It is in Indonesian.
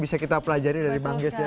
bisa kita pelajari dari bang yos ya